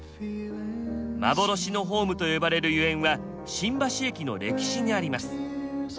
幻のホームと呼ばれるゆえんは新橋駅の歴史にあります。